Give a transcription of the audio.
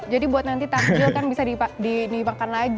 jadi buat nanti tanjil kan bisa dimakan lagi